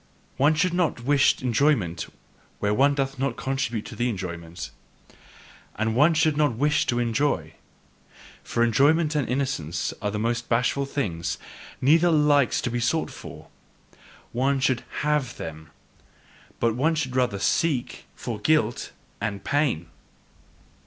One should not wish to enjoy where one doth not contribute to the enjoyment. And one should not WISH to enjoy! For enjoyment and innocence are the most bashful things. Neither like to be sought for. One should HAVE them, but one should rather SEEK for guilt and pain!